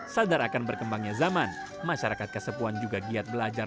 sadar akan berkembangnya zaman masyarakat kasepuan juga giat belajar